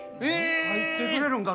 入ってくれるんか？